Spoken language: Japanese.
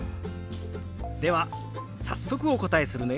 では早速お答えするね。